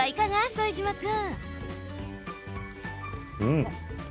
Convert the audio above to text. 副島君。